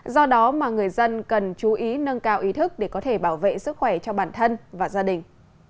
do đó mà người dân cần chú ý nâng cao ý thức để có thể bảo vệ sức khỏe cho bản thân và gia đình